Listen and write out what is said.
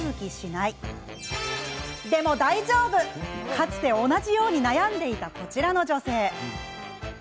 かつて同じように悩んでいたこちらの女性。